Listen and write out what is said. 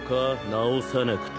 直さなくて。